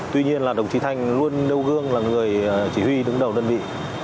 tuy nhiên là đồng chí thanh luôn đeo gương là người chỉ huy đứng đầu đơn vị